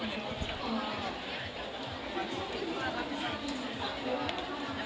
พี่ลูกชายข้าดมีการพิกัดที่จะเป็นทางพิกัดให้ด้วย